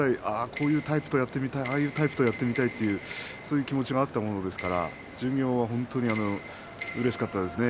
こういうタイプとやってみたいああいうタイプとやってみたいとそういう気持ちがあったものですから巡業は本当にうれしかったですね